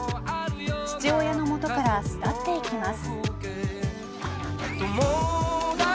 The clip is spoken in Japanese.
父親の元から巣立っていきます。